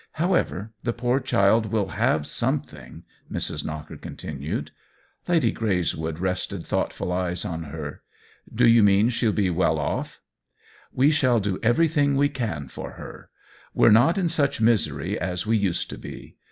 However, the poor child will have something," Mrs. Knocker continued. Lady Greyswood rested thoughtful eyes on her. " Do you mean she'll be well off ?"" We shall do everything we can for her. We're not in such misery as we used to be.